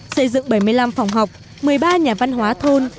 xây dựng bảy mươi năm phòng học một mươi ba nhà văn hóa thôn